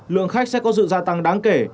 lượng khách sẽ có sự gia tăng đáng kể